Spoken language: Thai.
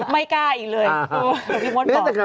ไม่กล้าอีกเลยพี่มดบอก